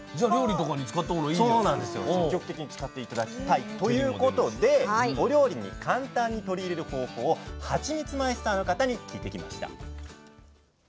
積極的に使って頂きたいということでお料理に簡単に取り入れる方法をはちみつマイスターの方に聞いてきました。